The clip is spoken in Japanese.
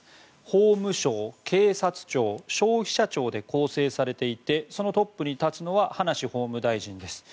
法務省、警察庁、消費者庁で構成されていてそのトップに立つのは葉梨法務大臣です。